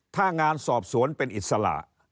ถ้างานสอบสวนเป็นอิสระ